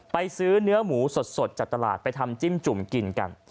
ไปซื้อเนื้อหมูสดจากตลาดไปทำจิ้มจุ่มกินกัน